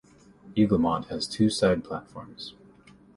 Eaglemont has two side platforms.